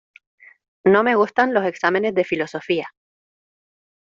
No me gustan los exámenes de filosofía.